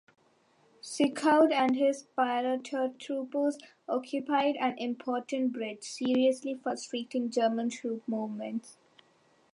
Sicaud and his paratroopers occupied an important bridge, seriously frustrating German troop movements.